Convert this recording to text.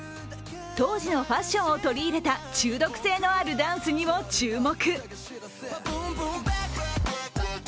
当時のファッションを取り入れた中毒性のあるダンスにも注目。